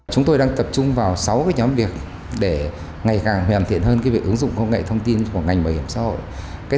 chúng tôi đang tập trung vào sáu nhóm việc để ngày càng huyền thiện hơn việc ứng dụng công nghệ thông tin của ngành bảo hiểm xã hội